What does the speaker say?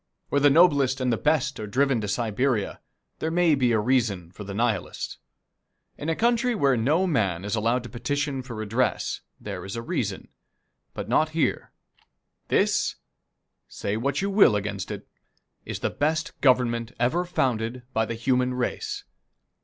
Where the noblest and the best are driven to Siberia, there may be a reason for the Nihilist. In a country where no man is allowed to petition for redress, there is a reason, but not here. This say what you will against it this is the best Government ever founded by the human race!